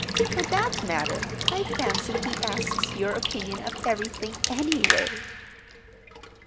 For that matter, I fancy he asks your opinion of everything, anyway."